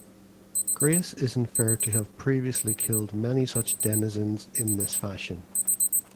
Grace is inferred to have previously killed many such denizens in this fashion.